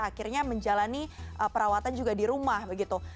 akhirnya menjalani perawatan juga di rumah begitu